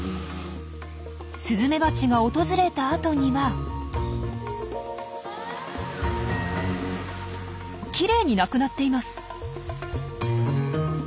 スズメバチが訪れた後にはきれいに無くなっています。